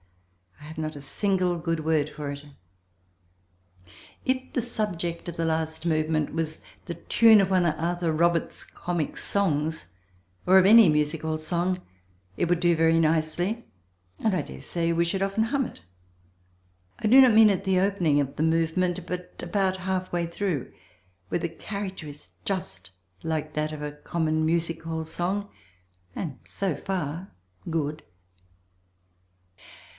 I have not a single good word for it. If the subject of the last movement was the tune of one of Arthur Robert's comic songs, or of any music hall song, it would do very nicely and I daresay we should often hum it. I do not mean at the opening of the movement but about half way through, where the character is just that of a common music hall song and, so far, good.